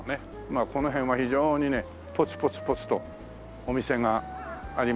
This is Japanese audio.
まあこの辺は非常にねポツポツポツとお店がありますけどね。